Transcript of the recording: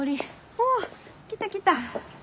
おお来た来た。